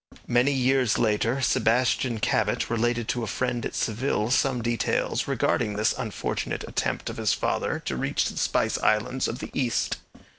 Many years later Sebastian Cabot related to a friend at Seville some details regarding this unfortunate attempt of his father to reach the spice islands of the East.